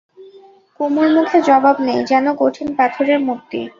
কুমুর মুখে জবাব নেই, যেন কঠিন পাথরের মূর্তি!